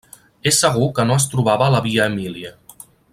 És segur que no es trobava a la Via Emília.